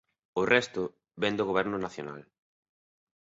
O resto vén do goberno nacional.